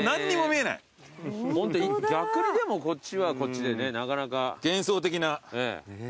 逆にでもこっちはこっちでねなかなか。